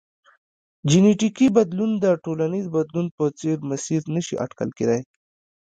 جنیټیکي بدلون د ټولنیز بدلون په څېر مسیر نه شي اټکل کېدای.